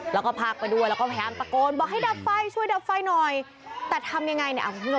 แล้วก็พักไปด้วยแล้วก็พยายามตะโกนบอกให้ดับไฟช่วยดับไฟหน่อย